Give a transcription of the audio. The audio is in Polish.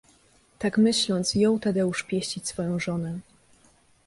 Tak myśląc, jął Tadeusz pieścić swoją żonę.